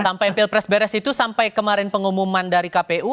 sampai pilpres beres itu sampai kemarin pengumuman dari kpu